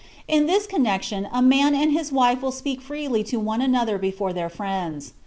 In this connection a man and his wife will speak freely to one another before their friends.